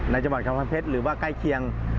ในจังหวัดกรรมพันธ์เทศหรือว่าใกล้เคียง